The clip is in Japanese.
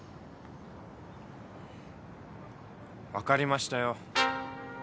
分かりましたよ。